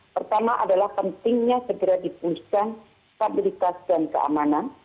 pertama adalah pentingnya segera dipulihkan stabilitas dan keamanan